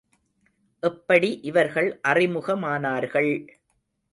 எப்படி இவர்கள் அறிமுகமானார்கள்!